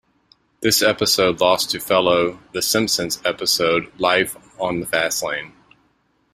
This episode lost to fellow "The Simpsons" episode "Life on the Fast Lane".